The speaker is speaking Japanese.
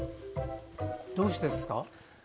どうしてですか？